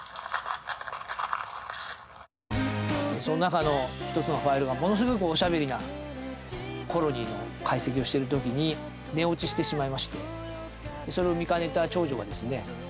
その中の１つのファイルがものすごくおしゃべりなコロニーの解析をしてる時に寝落ちしてしまいましてそれを見かねた長女がですね